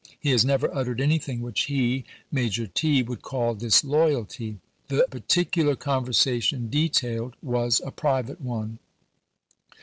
He has never uttered anything which he, Major T., would call disloyalty. The particular conversation detailed was a private one.